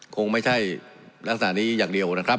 คงไม่ใช่ลักษณะนี้อย่างเดียวนะครับ